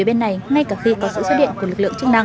bây giờ hai ông này